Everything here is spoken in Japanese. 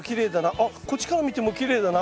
あっこっちから見てもきれいだな。